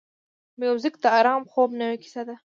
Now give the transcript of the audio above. موزیک د آرام خوب نوې کیسه ده.